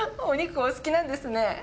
お肉お好きなんですね。